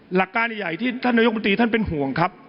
หลักการใหญ่ที่ท่านนายกมนตรีท่านเป็นห่วงครับ